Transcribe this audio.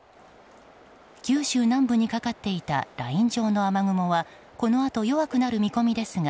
九州南部にかかっていたライン状の雨雲はこのあと弱くなる見込みですが